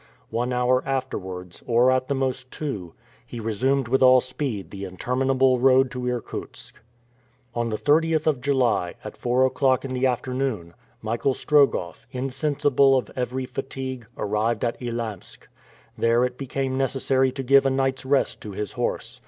One hour afterwards, or at the most two, he resumed with all speed the interminable road to Irkutsk. On the 30th of July, at four o'clock in the afternoon, Michael Strogoff, insensible of every fatigue, arrived at Elamsk. There it became necessary to give a night's rest to his horse.